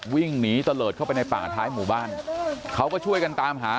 วิ่งหนีตะเลิศเข้าไปในป่าท้ายหมู่บ้านเขาก็ช่วยกันตามหา